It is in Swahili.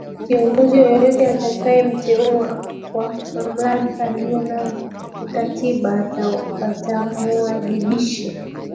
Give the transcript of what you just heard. Kiongozi yoyote atakayemteua kwa mamlaka aliyonayo kikatiba atamuwajibisha